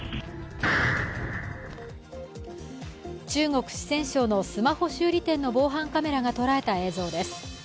中国・四川省のスマホ修理店の防犯カメラが捉えた映像です。